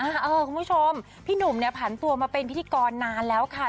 คุณผู้ชมพี่หนุ่มเนี่ยผันตัวมาเป็นพิธีกรนานแล้วค่ะ